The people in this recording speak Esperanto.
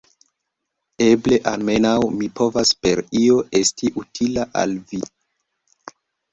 Eble almenaŭ mi povas per io esti utila al vi.